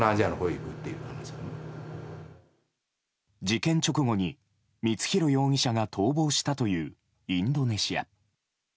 事件直後に光弘容疑者が逃亡したというインドネシア。